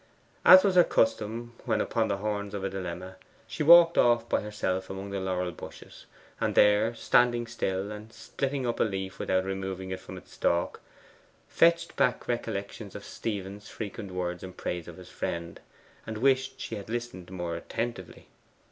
As was her custom when upon the horns of a dilemma, she walked off by herself among the laurel bushes, and there, standing still and splitting up a leaf without removing it from its stalk, fetched back recollections of Stephen's frequent words in praise of his friend, and wished she had listened more attentively.